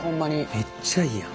めっちゃいいやん。